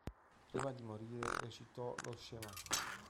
Prima di morire recitò lo Shemà.